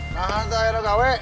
kayak seperti ini